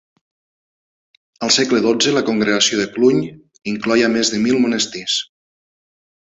Al segle XII la Congregació de Cluny incloïa més de mil monestirs.